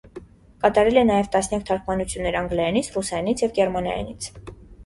Կատարել է նաև տասնյակ թարգմանություններ անգլերենից, ռուսերենից և գերմաներենից։